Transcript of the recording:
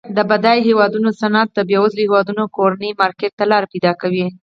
د بډایه هیوادونو صنعت د بیوزله هیوادونو کورني مارکیټ ته لار پیداکوي.